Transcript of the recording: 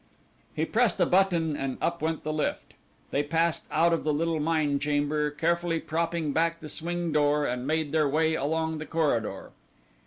He pressed a button and up went the lift. They passed out of the little mine chamber, carefully propping back the swing door, and made their way along the corridor.